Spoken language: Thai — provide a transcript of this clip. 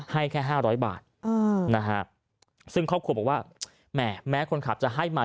ให้แค่๕๐๐บาทนะฮะซึ่งครอบครัวบอกว่าแหมแม้คนขับจะให้มา